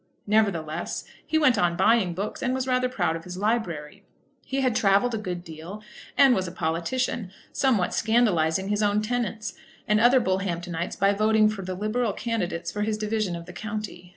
Nevertheless, he went on buying books, and was rather proud of his library. He had travelled a good deal, and was a politician, somewhat scandalising his own tenants and other Bullhamptonites by voting for the liberal candidates for his division of the county.